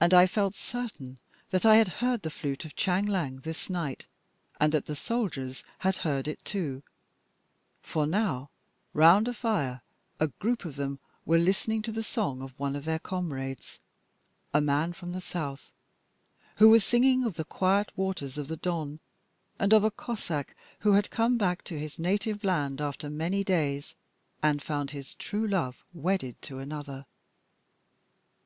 And I felt certain that I had heard the flute of Chang Liang this night and that the soldiers had heard it too; for now round a fire a group of them were listening to the song of one of their comrades, a man from the south, who was singing of the quiet waters of the Don, and of a Cossack who had come back to his native land after many days and found his true love wedded to another.